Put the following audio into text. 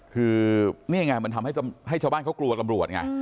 คือนี่ไงมันทำให้ชาวบ้านเขากลัวตำรวจไง